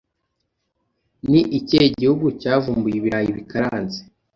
Ni ikihe gihugu cyavumbuye ibirayi bikaranze